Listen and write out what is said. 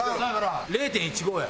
０．１５や。